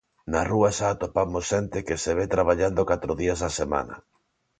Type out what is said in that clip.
Na rúa xa atopamos xente que se ve traballando catro días á semana.